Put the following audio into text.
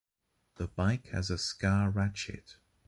The bike has a scar ratchet.